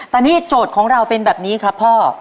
ตอนนี้โจทย์ของเราเป็นแบบนี้ครับพ่อ